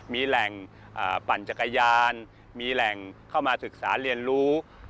มีแหล่งปั่นจักรยานมีแหล่งเข้ามาศึกษาเรียนรู้